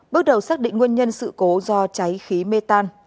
bước đầu xác định nguyên nhân sự cố do cháy khí mê tan